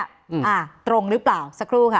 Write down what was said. อ่าตรงหรือเปล่าสักครู่ค่ะ